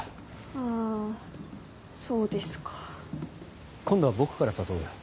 あぁそうですか。今度は僕から誘うよ。